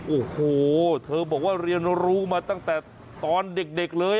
โอ้โหเธอบอกว่าเรียนรู้มาตั้งแต่ตอนเด็กเลย